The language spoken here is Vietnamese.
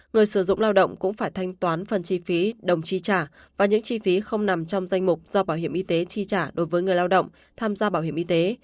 người sử dụng lao động cũng phải thanh toán phần chi phí đồng chi trả và những chi phí không nằm trong danh mục do bảo hiểm y tế chi trả đối với người lao động tham gia bảo hiểm y tế